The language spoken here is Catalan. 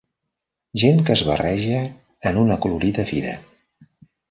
Gent que es barreja en una acolorida fira